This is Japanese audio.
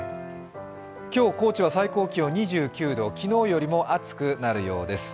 今日、高知は最高気温２９度、昨日よりも暑くなるようです。